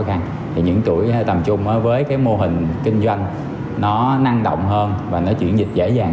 khăn thì những chuỗi tầm trung với cái mô hình kinh doanh nó năng động hơn và nó chuyển dịch dễ dàng